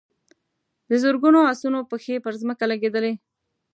د زرګونو آسونو پښې پر ځمکه لګېدلې.